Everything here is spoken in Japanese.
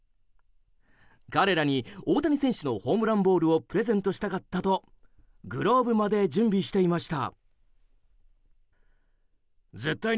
彼らに大谷選手のホームランボールをプレゼントしたかったとグローブまで準備していました。